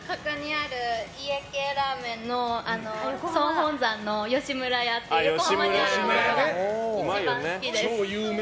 家系ラーメンの総本山の吉村家っていう横浜にあるお店が一番好きです。